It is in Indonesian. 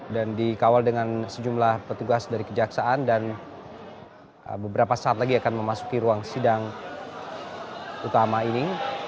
dan dikawal dengan sejumlah petugas dari kejaksaan dan beberapa saat lagi akan memasuki ruang sidang utama ini